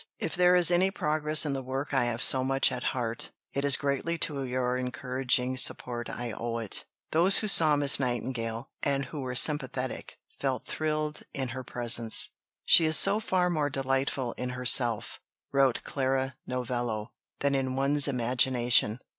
If there is any progress in the work I have so much at heart, it is greatly to your encouraging support I owe it." Those who saw Miss Nightingale, and who were sympathetic, felt thrilled in her presence. "She is so far more delightful in herself," wrote Clara Novello, "than in one's imagination."